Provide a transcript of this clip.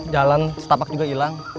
jalan setapak juga hilang